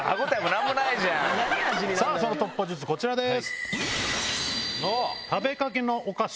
その突破術こちらです。